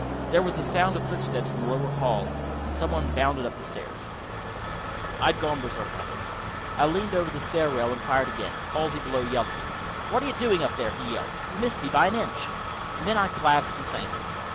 There was the sound of footsteps in the lower hall, and some one bounded up the stairs. I had gone Berserk, I think. I leaned over the stair rail and fired again. Halsey, below, yelled at me. "What are you doing up there?" he yelled. "You missed me by an inch." And then I collapsed and fainted.